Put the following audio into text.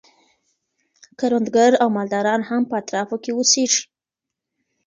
کروندګر او مالداران هم په اطرافو کي اوسیږي.